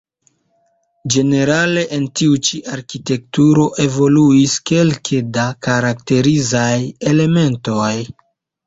Ĝenerale en tiu ĉi arkitekturo evoluis kelke da karakterizaj elementoj.